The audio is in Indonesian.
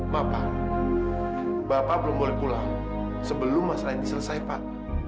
bapak bapak belum boleh pulang sebelum masalah ini selesai pak